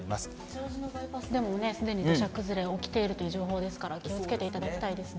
八王子のバイパスでもすでに土砂崩れが起きているという情報ですから、気をつけていただきたいですね。